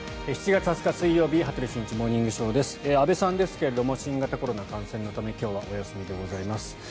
７月２０日、水曜日「羽鳥慎一モーニングショー」。安部さんですけれども新型コロナ感染のため今日はお休みでございます。